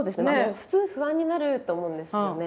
普通不安になると思うんですよね。